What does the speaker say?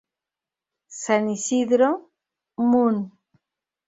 San Isidro, Mun.